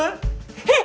えっ！？